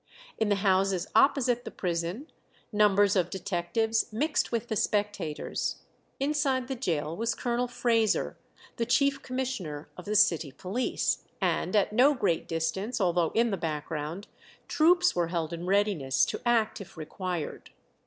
In the houses opposite the prison numbers of detectives mixed with the spectators; inside the gaol was Colonel Frazer, the chief commissioner of the city police, and at no great distance, although in the background, troops were held in readiness to act if required.